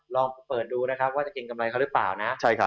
ลองเปิดดูว่าจะเก็งกำไรหรือเปล่า